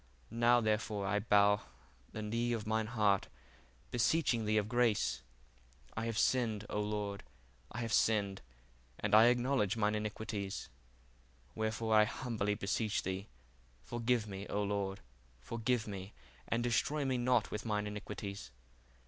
Now therefore I bow the knee of mine heart, beseeching thee of grace. I have sinned, O Lord, I have sinned, and I acknowledge mine iniquities: wherefore, I humbly beseech thee, forgive me, O Lord, forgive me, and destroy me not with mine iniquites.